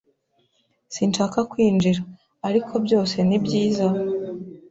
Sinshaka kwinjira, ariko byose ni byiza?